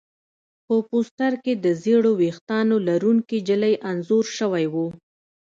په پوسټر کې د ژېړو ویښتانو لرونکې نجلۍ انځور شوی و